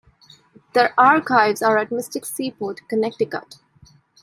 Their archives are at Mystic Seaport, Connecticut.